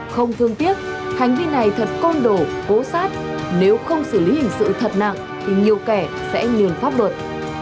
không thương tiếc hành vi này thật côn đổ cố sát nếu không xử lý hình sự thật nặng thì nhiều kẻ sẽ lường pháp luật